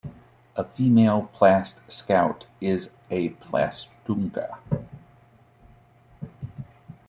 A female Plast Scout is a "plastunka".